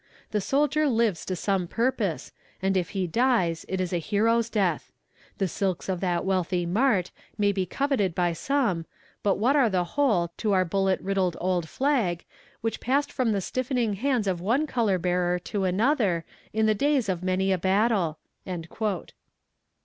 The soldier lives to some purpose, and if he dies it is a hero's death. The silks of that wealthy mart may be coveted by some; but what are the whole to our bullet riddled old flag, which passed from the stiffening hands of one color bearer to another, in the days of many a battle?"